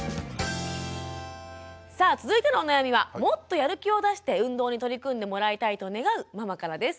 さあ続いてのお悩みはもっとやる気を出して運動に取り組んでもらいたいと願うママからです。